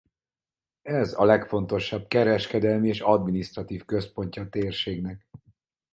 Ez a legfontosabb kereskedelmi és adminisztratív központja a térségnek.